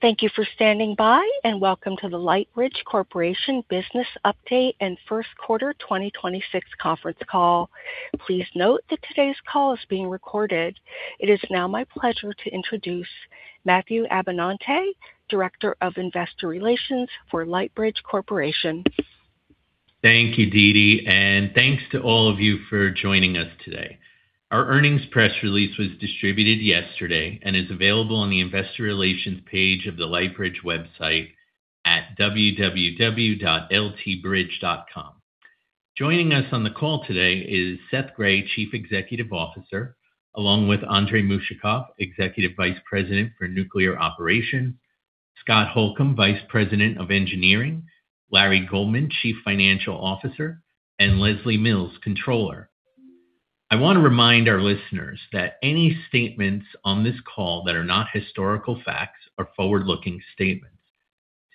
Thank you for standing by and welcome to the Lightbridge Corporation business update and first quarter 2026 conference call. Please note that today's call is being recorded. It is now my pleasure to introduce Matthew Abenante, Director of Investor Relations for Lightbridge Corporation. Thank you, Deedee, and thanks to all of you for joining us today. Our earnings press release was distributed yesterday and is available on the investor relations page of the Lightbridge website at www.ltbridge.com. Joining us on the call today is Seth Grae, Chief Executive Officer, along with Andrey Mushakov, Executive Vice President for Nuclear Operations, Scott Holcombe, Vice President of Engineering, Larry Goldman, Chief Financial Officer, and Lesli Mills, Controller. I want to remind our listeners that any statements on this call that are not historical facts are forward-looking statements.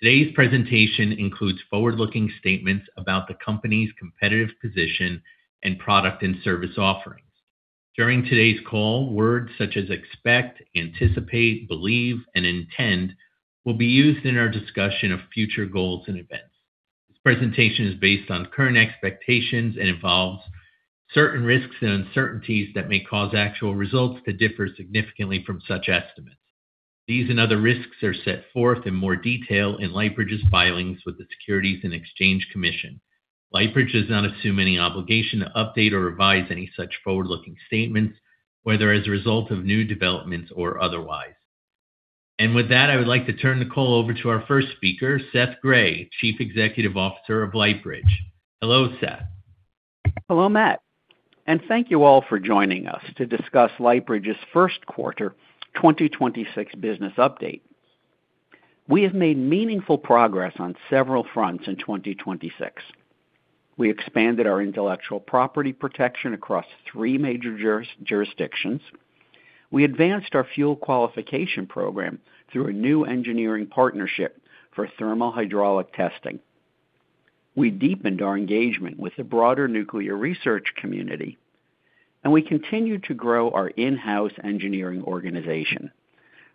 Today's presentation includes forward-looking statements about the company's competitive position and product and service offerings. During today's call, words such as expect, anticipate, believe, and intend will be used in our discussion of future goals and events. This presentation is based on current expectations and involves certain risks and uncertainties that may cause actual results to differ significantly from such estimates. These and other risks are set forth in more detail in Lightbridge's filings with the Securities and Exchange Commission. Lightbridge does not assume any obligation to update or revise any such forward-looking statements, whether as a result of new developments or otherwise. With that, I would like to turn the call over to our first speaker, Seth Grae, Chief Executive Officer of Lightbridge. Hello, Seth. Hello, Matt, and thank you all for joining us to discuss Lightbridge's first quarter 2026 business update. We have made meaningful progress on several fronts in 2026. We expanded our intellectual property protection across three major jurisdictions. We advanced our fuel qualification program through a new engineering partnership for thermal-hydraulic testing. We deepened our engagement with the broader nuclear research community, and we continued to grow our in-house engineering organization.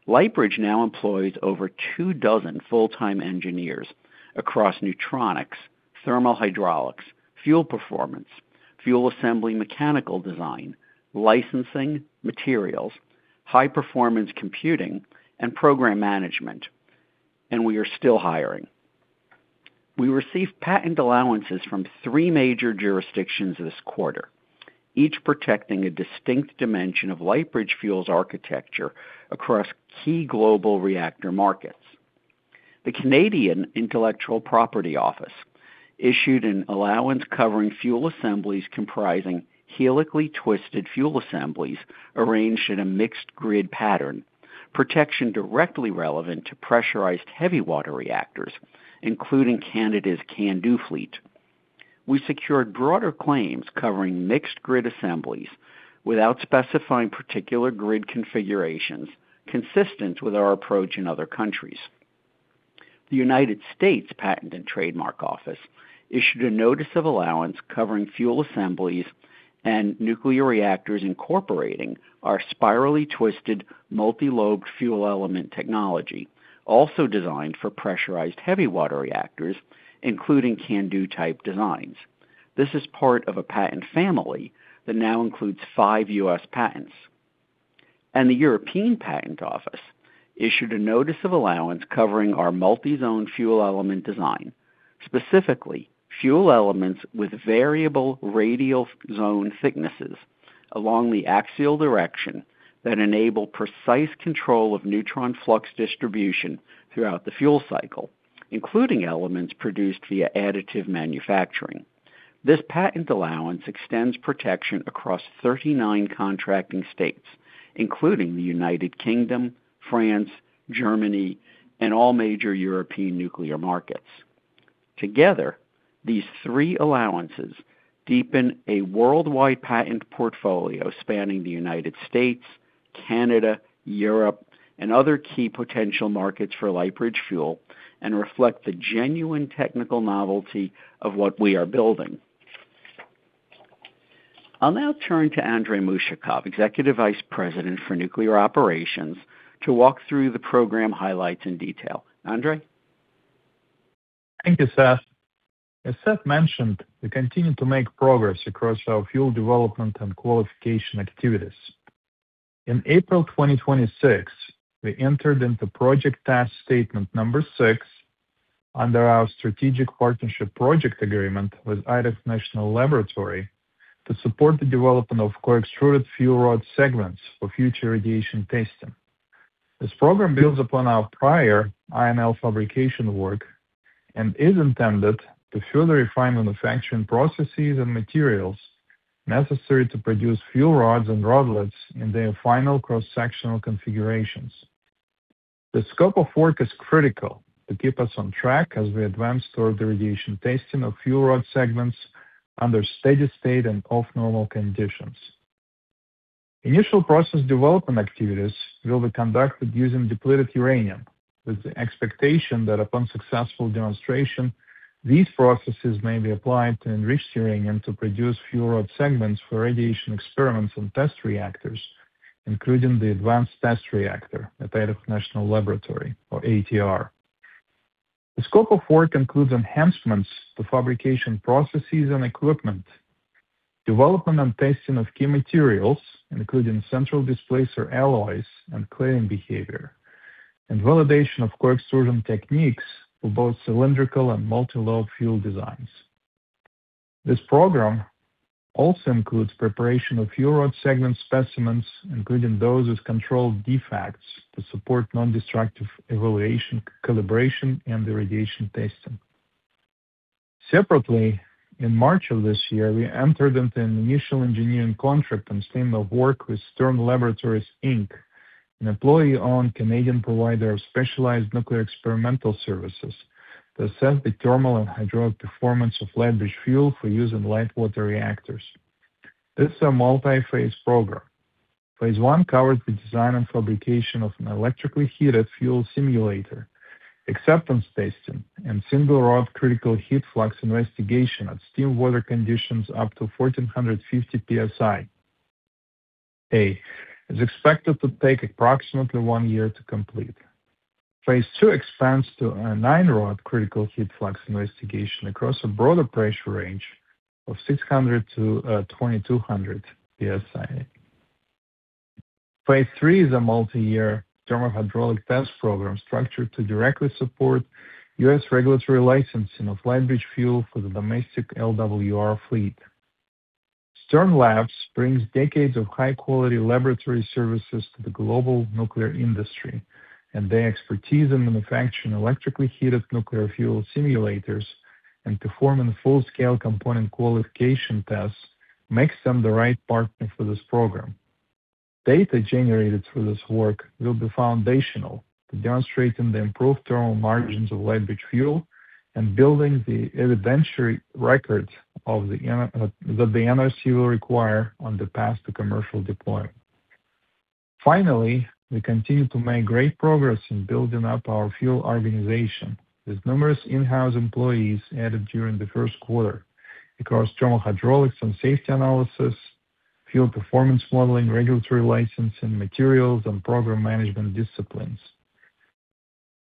Lightbridge now employs over two dozen full-time engineers across neutronics, thermal-hydraulics, fuel performance, fuel assembly mechanical design, licensing, materials, high-performance computing, and program management, and we are still hiring. We received patent allowances from three major jurisdictions this quarter, each protecting a distinct dimension of Lightbridge Fuel's architecture across key global reactor markets. The Canadian Intellectual Property Office issued an allowance covering fuel assemblies comprising helically twisted fuel assemblies arranged in a mixed grid pattern, protection directly relevant to pressurized heavy water reactors, including Canada's CANDU fleet. We secured broader claims covering mixed grid assemblies without specifying particular grid configurations consistent with our approach in other countries. The United States Patent and Trademark Office issued a notice of allowance covering fuel assemblies and nuclear reactors incorporating our spirally twisted multi-lobed fuel element technology, also designed for pressurized heavy water reactors, including CANDU-type designs. This is part of a patent family that now includes five U.S. patents. The European Patent Office issued a notice of allowance covering our multi-zone fuel element design, specifically fuel elements with variable radial zone thicknesses along the axial direction that enable precise control of neutron flux distribution throughout the fuel cycle, including elements produced via additive manufacturing. This patent allowance extends protection across 39 contracting states, including the United Kingdom, France, Germany, and all major European nuclear markets. Together, these three allowances deepen a worldwide patent portfolio spanning the United States, Canada, Europe, and other key potential markets for Lightbridge Fuel™ and reflect the genuine technical novelty of what we are building. I'll now turn to Andrey Mushakov, Executive Vice President for Nuclear Operations, to walk through the program highlights in detail. Andrey. Thank you, Seth. As Seth mentioned, we continue to make progress across our fuel development and qualification activities. In April 2026, we entered into Project Task Statement number six under our strategic partnership project agreement with Idaho National Laboratory to support the development of co-extruded fuel rod segments for future irradiation testing. This program builds upon our prior INL fabrication work and is intended to further refine manufacturing processes and materials necessary to produce fuel rods and rodlets in their final cross-sectional configurations. The scope of work is critical to keep us on track as we advance toward the radiation testing of fuel rod segments under steady state and off-normal conditions. Initial process development activities will be conducted using depleted uranium with the expectation that upon successful demonstration, these processes may be applied to enriched uranium to produce fuel rod segments for radiation experiments and test reactors, including the Advanced Test Reactor at the Idaho National Laboratory or ATR. The scope of work includes enhancements to fabrication processes and equipment, development and testing of key materials, including central displacer alloys and cladding behavior, and validation of co-extrusion techniques for both cylindrical and multi-lobe fuel designs. This program also includes preparation of fuel rod segment specimens, including those with controlled defects to support nondestructive evaluation, calibration, and irradiation testing. Separately, in March of this year, we entered into an initial engineering contract and statement of work with Stern Laboratories Inc, an employee-owned Canadian provider of specialized nuclear experimental services to assess the thermal and hydraulic performance of Lightbridge Fuel™ for use in light water reactors. This is a multi-phase program. Phase I covers the design and fabrication of an electrically heated fuel simulator, acceptance testing, and single rod critical heat flux investigation at steam water conditions up to 1,450 PSI. A is expected to take approximately one year to complete. Phase II expands to a 9-rod critical heat flux investigation across a broader pressure range of 600-2,200 PSI. Phase III is a multi-year thermal hydraulic test program structured to directly support U.S. regulatory licensing of Lightbridge Fuel™ for the domestic LWR fleet. Stern Labs brings decades of high-quality laboratory services to the global nuclear industry. Their expertise in manufacturing electrically heated nuclear fuel simulators and performing full-scale component qualification tests makes them the right partner for this program. Data generated through this work will be foundational to demonstrating the improved thermal margins of Lightbridge Fuel and building the evidentiary records that the NRC will require on the path to commercial deployment. We continue to make great progress in building up our fuel organization with numerous in-house employees added during the first quarter across thermal hydraulics and safety analysis, fuel performance modeling, regulatory licensing, materials, and program management disciplines.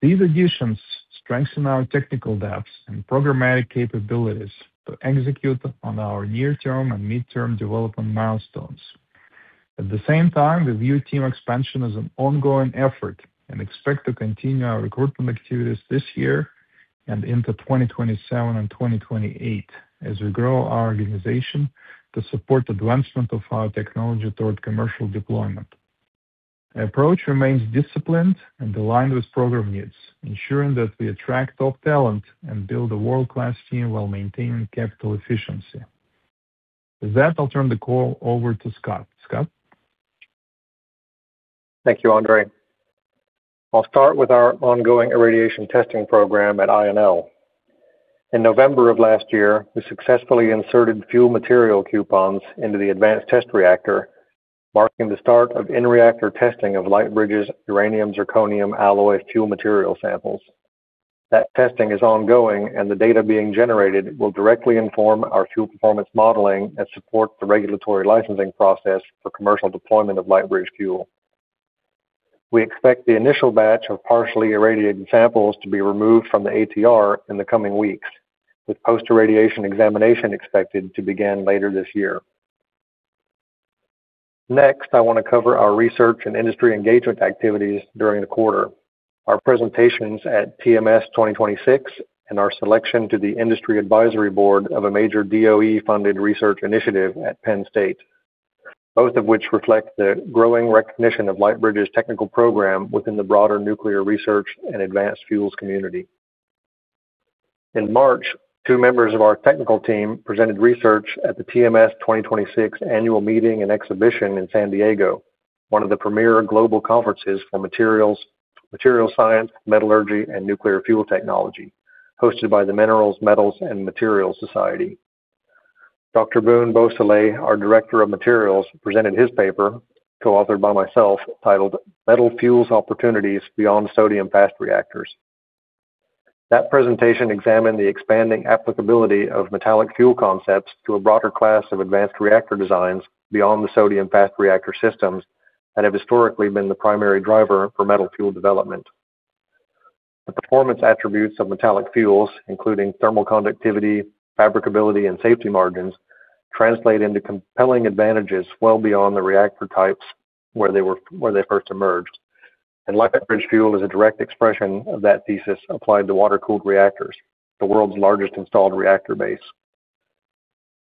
These additions strengthen our technical depths and programmatic capabilities to execute on our near-term and midterm development milestones. At the same time, we view team expansion as an ongoing effort and expect to continue our recruitment activities this year and into 2027 and 2028 as we grow our organization to support advancement of our technology toward commercial deployment. Our approach remains disciplined and aligned with program needs, ensuring that we attract top talent and build a world-class team while maintaining capital efficiency. With that, I'll turn the call over to Scott. Scott? Thank you, Andrey. I'll start with our ongoing irradiation testing program at INL. In November of last year, we successfully inserted fuel material coupons into the Advanced Test Reactor, marking the start of in-reactor testing of Lightbridge's uranium-zirconium alloy fuel material samples. That testing is ongoing, and the data being generated will directly inform our fuel performance modeling and support the regulatory licensing process for commercial deployment of Lightbridge Fuel. We expect the initial batch of partially irradiated samples to be removed from the ATR in the coming weeks, with post-irradiation examination expected to begin later this year. Next, I want to cover our research and industry engagement activities during the quarter. Our presentations at TMS 2026 and our selection to the Industry Advisory Board of a major DOE-funded research initiative at Penn State, both of which reflect the growing recognition of Lightbridge's technical program within the broader nuclear research and advanced fuels community. In March, two members of our technical team presented research at the TMS 2026 Annual Meeting and Exhibition in San Diego, one of the premier global conferences for materials, material science, metallurgy, and nuclear fuel technology hosted by The Minerals, Metals & Materials Society. Dr. Boone Beausoleil, our Director of Materials, presented his paper, co-authored by myself, titled Metal Fuels Opportunities Beyond Sodium Fast Reactors. That presentation examined the expanding applicability of metallic fuel concepts to a broader class of advanced reactor designs beyond the sodium fast reactor systems that have historically been the primary driver for metal fuel development. The performance attributes of metallic fuels, including thermal conductivity, fabricability, and safety margins, translate into compelling advantages well beyond the reactor types where they first emerged. Lightbridge Fuel is a direct expression of that thesis applied to water-cooled reactors, the world's largest installed reactor base.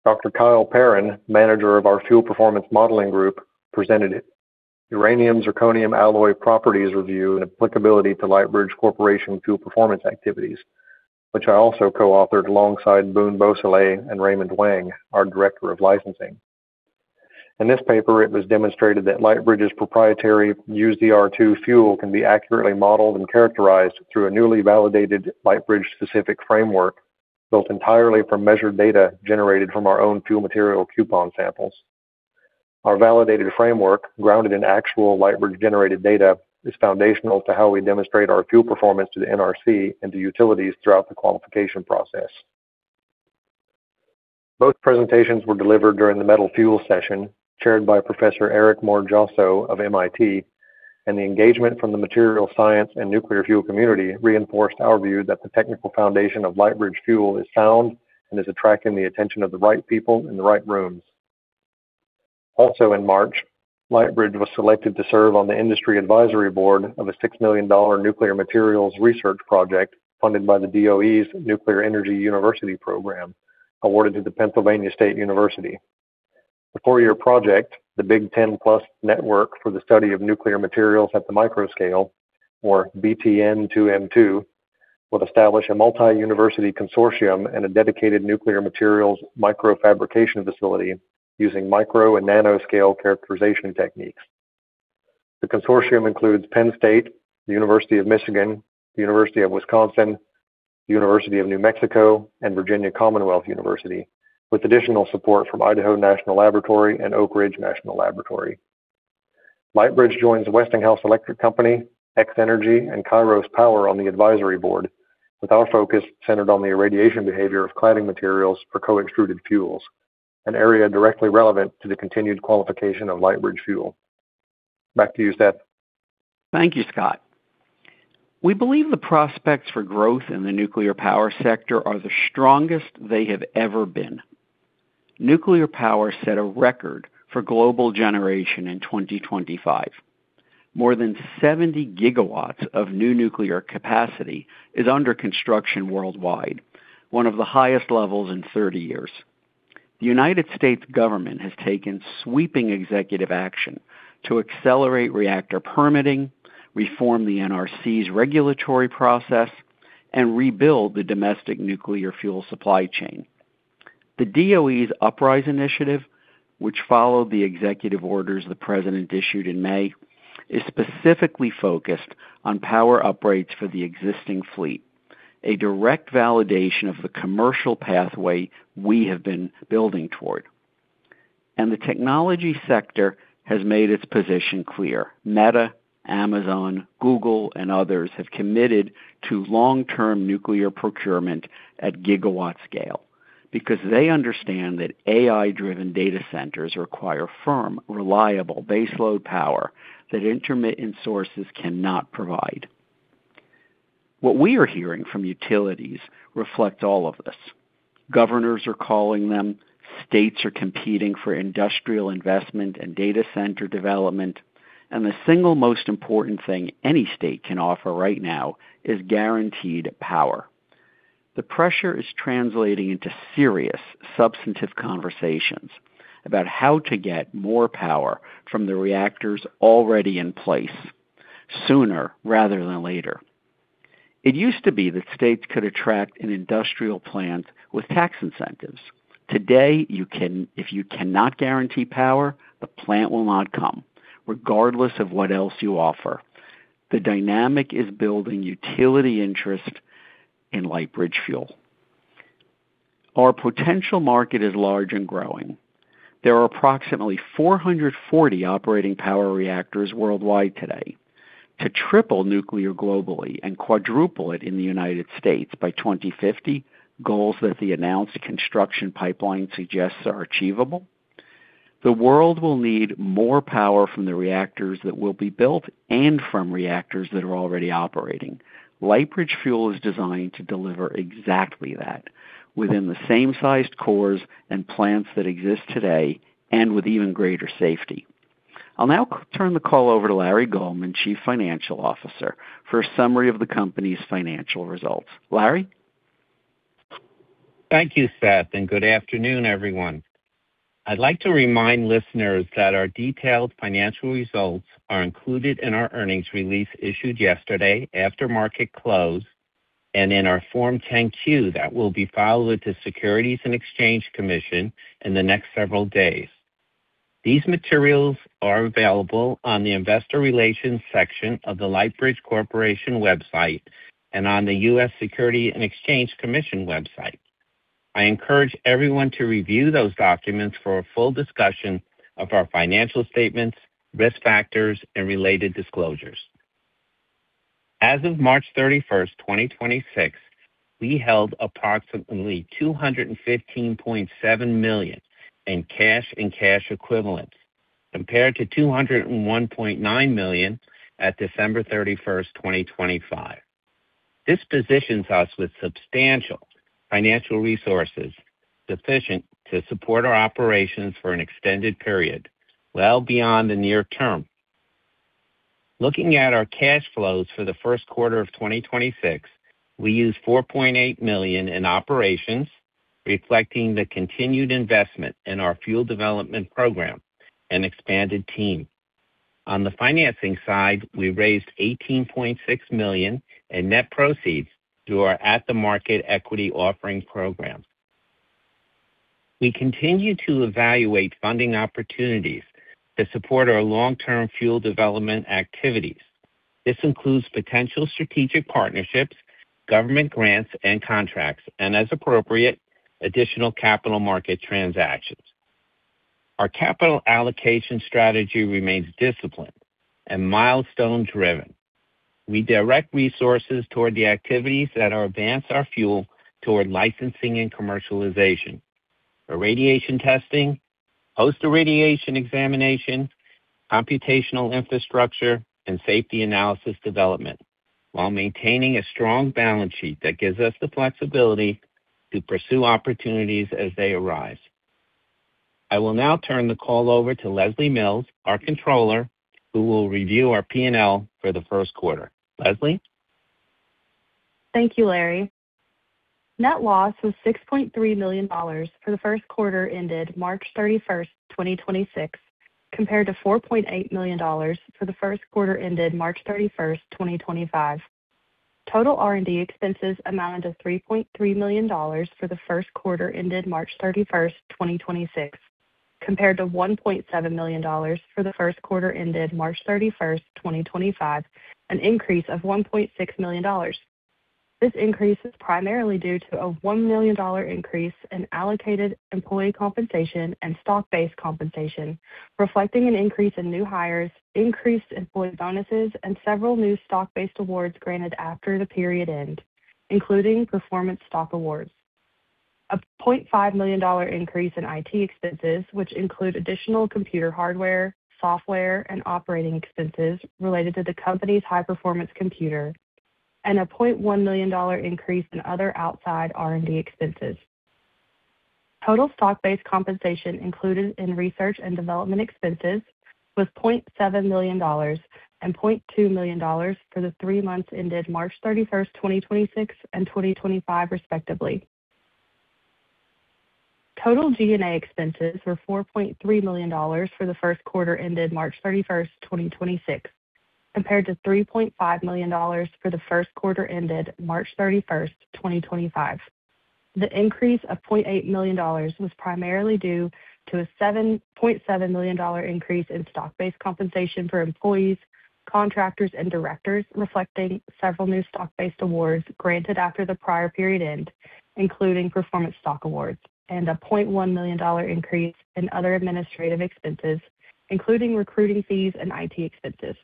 Dr. Kyle Paaren, Manager of our fuel performance modeling group, presented it. Uranium-zirconium alloy properties review and applicability to Lightbridge Corporation fuel performance activities, which I also co-authored alongside Boone Beausoleil and Raymond Wang, our Director of Licensing. In this paper, it was demonstrated that Lightbridge's proprietary UZr₂ fuel can be accurately modeled and characterized through a newly validated Lightbridge-specific framework built entirely from measured data generated from our own fuel material coupon samples. Our validated framework, grounded in actual Lightbridge-generated data, is foundational to how we demonstrate our fuel performance to the NRC and to utilities throughout the qualification process. Both presentations were delivered during the metal fuel session, chaired by Professor Ericmoore Jossou of MIT, and the engagement from the material science and nuclear fuel community reinforced our view that the technical foundation of Lightbridge Fuel is sound and is attracting the attention of the right people in the right rooms. In March, Lightbridge was selected to serve on the industry advisory board of a $6 million nuclear materials research project funded by the DOE's Nuclear Energy University Program, awarded to the Pennsylvania State University. The four-year project, the Big 10+ Network for the Study of Nuclear Materials at the Micro Scale, or BTN²M², will establish a multi-university consortium and a dedicated nuclear materials microfabrication facility using micro and nano-scale characterization techniques. The consortium includes Penn State, the University of Michigan, the University of Wisconsin, University of New Mexico, and Virginia Commonwealth University, with additional support from Idaho National Laboratory and Oak Ridge National Laboratory. Lightbridge joins Westinghouse Electric Company, X-energy, and Kairos Power on the advisory board, with our focus centered on the irradiation behavior of cladding materials for co-extruded fuels, an area directly relevant to the continued qualification of Lightbridge Fuel. Back to you, Seth. Thank you, Scott. We believe the prospects for growth in the nuclear power sector are the strongest they have ever been. Nuclear power set a record for global generation in 2025. More than 70 GW of new nuclear capacity is under construction worldwide, one of the highest levels in 30 years. The U.S. government has taken sweeping executive action to accelerate reactor permitting, reform the NRC's regulatory process, and rebuild the domestic nuclear fuel supply chain. The DOE's UPRISE initiative, which followed the executive orders the president issued in May, is specifically focused on power upgrades for the existing fleet, a direct validation of the commercial pathway we have been building toward. The technology sector has made its position clear. Meta, Amazon, Google, and others have committed to long-term nuclear procurement at gigawatt scale because they understand that AI-driven data centers require firm, reliable baseload power that intermittent sources cannot provide. What we are hearing from utilities reflects all of this. Governors are calling them, states are competing for industrial investment and data center development, and the single most important thing any state can offer right now is guaranteed power. The pressure is translating into serious, substantive conversations about how to get more power from the reactors already in place sooner rather than later. It used to be that states could attract an industrial plant with tax incentives. Today, if you cannot guarantee power, the plant will not come, regardless of what else you offer. The dynamic is building utility interest in Lightbridge Fuel. Our potential market is large and growing. There are approximately 440 operating power reactors worldwide today. To triple nuclear globally and quadruple it in the U.S. by 2050, goals that the announced construction pipeline suggests are achievable, the world will need more power from the reactors that will be built and from reactors that are already operating. Lightbridge Fuel™ is designed to deliver exactly that within the same sized cores and plants that exist today and with even greater safety. I'll now turn the call over to Larry Goldman, Chief Financial Officer, for a summary of the company's financial results. Larry? Thank you, Seth. Good afternoon, everyone. I'd like to remind listeners that our detailed financial results are included in our earnings release issued yesterday after market close and in our Form 10-Q that will be filed with the Securities and Exchange Commission in the next several days. These materials are available on the investor relations section of the Lightbridge Corporation website and on the Securities and Exchange Commission website. I encourage everyone to review those documents for a full discussion of our financial statements, risk factors, and related disclosures. As of March 31st, 2026, we held approximately $215.7 million in cash and cash equivalents, compared to $201.9 million at December 31st, 2025. This positions us with substantial financial resources sufficient to support our operations for an extended period, well beyond the near term. Looking at our cash flows for the first quarter of 2026, we used $4.8 million in operations, reflecting the continued investment in our fuel development program and expanded team. On the financing side, we raised $18.6 million in net proceeds through our at-the-market equity offering program. We continue to evaluate funding opportunities to support our long-term fuel development activities. This includes potential strategic partnerships, government grants and contracts, and as appropriate, additional capital market transactions. Our capital allocation strategy remains disciplined and milestone driven. We direct resources toward the activities that are advance our fuel toward licensing and commercialization. Irradiation testing, post-irradiation examination, computational infrastructure and safety analysis development, while maintaining a strong balance sheet that gives us the flexibility to pursue opportunities as they arise. I will now turn the call over to Lesli Mills, our Controller, who will review our P&L for the first quarter. Lesli. Thank you, Larry. Net loss was $6.3 million for the first quarter ended March 31st, 2026, compared to $4.8 million for the first quarter ended March 31st, 2025. Total R&D expenses amounted to $3.3 million for the first quarter ended March 31st, 2026, compared to $1.7 million for the first quarter ended March 31st, 2025, an increase of $1.6 million. This increase is primarily due to a $1 million increase in allocated employee compensation and stock-based compensation, reflecting an increase in new hires, increased employee bonuses and several new stock-based awards granted after the period end, including performance stock awards. A $0.5 million increase in IT expenses, which include additional computer hardware, software and operating expenses related to the company's high performance computer, and a $0.1 million increase in other outside R&D expenses. Total stock-based compensation included in research and development expenses was $0.7 million and $0.2 million for the three months ended March 31st, 2026 and 2025, respectively. Total G&A expenses were $4.3 million for the first quarter ended March 31st, 2026, compared to $3.5 million for the first quarter ended March 31st, 2025. The increase of $0.8 million was primarily due to a $7.7 million increase in stock-based compensation for employees, contractors, and directors, reflecting several new stock-based awards granted after the prior period end, including performance stock awards and a $0.1 million increase in other administrative expenses, including recruiting fees and IT expenses.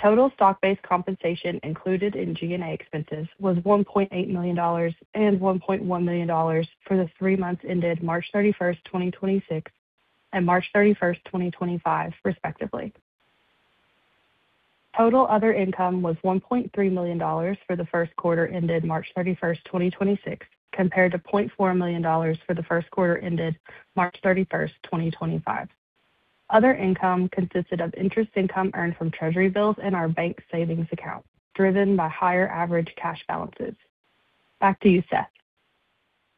Total stock-based compensation included in G&A expenses was $1.8 million and $1.1 million for the three months ended March 31st, 2026 and March 31st, 2025, respectively. Total other income was $1.3 million for the first quarter ended March 31, 2026, compared to $0.4 million for the first quarter ended March 31, 2025. Other income consisted of interest income earned from treasury bills in our bank savings account, driven by higher average cash balances. Back to you, Seth.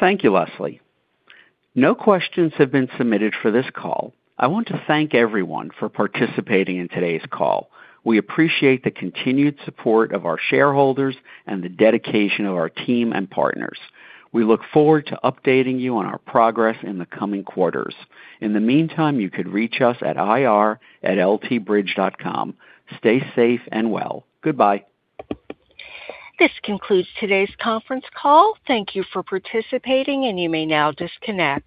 Thank you, Lesli. No questions have been submitted for this call. I want to thank everyone for participating in today's call. We appreciate the continued support of our shareholders and the dedication of our team and partners. We look forward to updating you on our progress in the coming quarters. In the meantime, you could reach us at ir@ltbridge.com. Stay safe and well. Goodbye. This concludes today's conference call. Thank you for participating, and you may now disconnect.